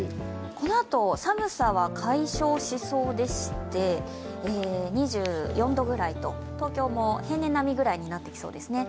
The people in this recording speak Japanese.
このあと寒さは解消しそうでして２４度くらいと、東京も平年並みくらいになってきそうですね。